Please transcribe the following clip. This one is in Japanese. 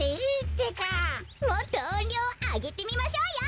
もっとおんりょうをあげてみましょうよ。